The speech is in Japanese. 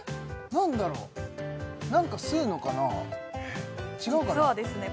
何だろう何か吸うのかな違うかな？